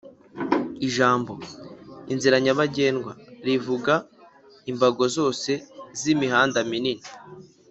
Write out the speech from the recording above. Ijambo "Inzira nyabagendwa" rivuga imbago zose z'imihanda minini